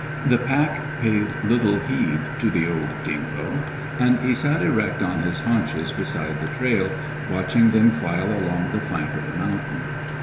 The pack paid little heed to the old dingo, and he sat erect on his haunches beside the trail, watching them file along the flank of the mountain.